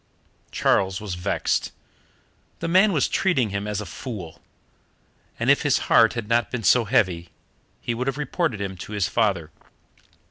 Charles was vexed. The man was treating him as a fool, and if his heart had not been so heavy he would have reported him to his father.